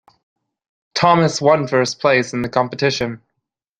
Thomas one first place in the competition.